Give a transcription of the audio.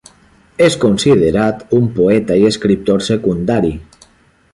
És considerat un poeta i escriptor secundari.